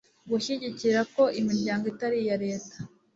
gushyigikira ko imiryango itari iya leta